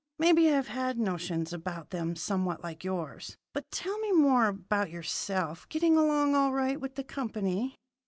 Maybe I've had notions about them somewhat like yours. But tell me more about yourself. Getting along all right with the company?"